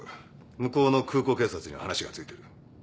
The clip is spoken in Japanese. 向こうの空港警察には話がついてる。